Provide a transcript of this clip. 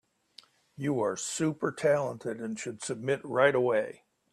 You are super talented and should submit right away.